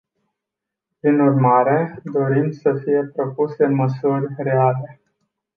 Prin urmare, dorim să fie propuse măsuri reale.